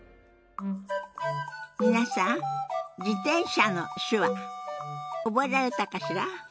皆さん「自転車」の手話覚えられたかしら？